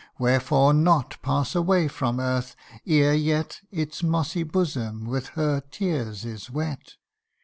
Wherefore not pass away from earth, ere yet Its mossy bosom with her tears is wet